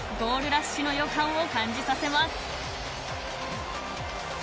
ラッシュの予感を感じさせます。